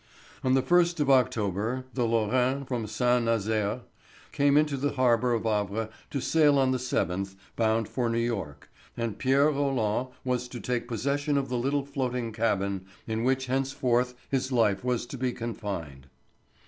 On the 1st of October the Lorraine from Saint Nazaire, came into the harbour of Havre to sail on the 7th, bound for New York, and Pierre Roland was to take possession of the little floating cabin in which henceforth his life was to be confined.